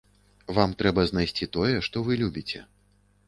Вам трэба знайсці тое, што вы любіце.